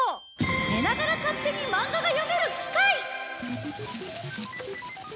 寝ながら勝手にマンガが読める機械！